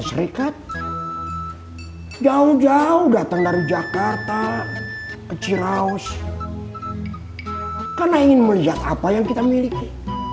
karena jauh jauh datang dari jakarta ke ciraus karena ingin melihat apa yang kita miliki